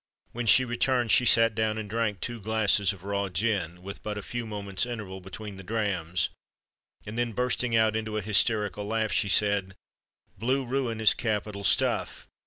When she returned, she sate down, and drank two glasses of raw gin, with but a few moments' interval between the drams; and then, bursting out into a hysterical laugh, she said, "Blue ruin is capital stuff!